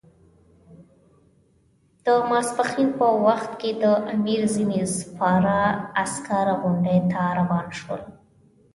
د ماپښین په وخت کې د امیر ځینې سپاره عسکر غونډۍ ته روان شول.